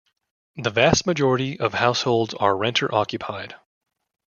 The vast majority of households are renter occupied.